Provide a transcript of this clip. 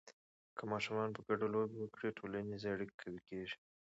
که ماشومان په ګډه لوبې وکړي، ټولنیزه اړیکه قوي کېږي.